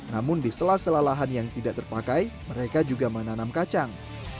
namun di sela sela lahan yang tidak terpakai mereka juga menanam kacang